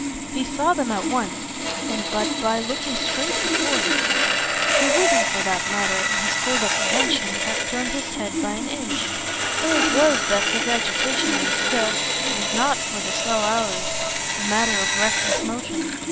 He saw them at once and but by looking straight before him; he wouldn't for that matter, in his cold apprehension, have turned his head by an inch. So it was that his agitation was still was not, for the slow hours, a matter of restless motion.